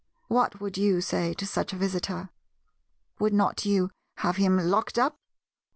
What would you say to such a visitor? Would not you have him locked up?